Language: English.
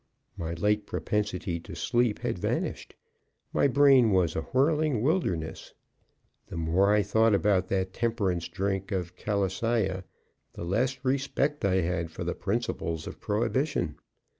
My late propensity to sleep had vanished. My brain was a whirling wilderness. The more I thought about that temperance drink of calisaya, the less respect I had for the principles of prohibition.